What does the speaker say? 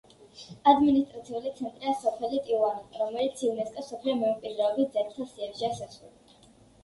ადმინისტრაციული ცენტრია სოფელი ტიუანაკო, რომელიც იუნესკოს მსოფლიო მემკვიდრეობის ძეგლთა სიაშია შესული.